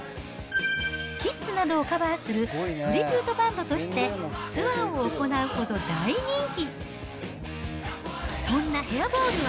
ＫＩＳＳなどをカバーするトリビュートバンドとしてツアーを行うほど大人気。